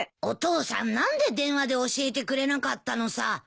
お父さん何で電話で教えてくれなかったのさ。